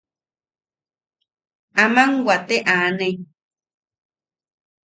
Aman wate aane.